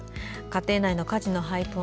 家庭内の家事の配分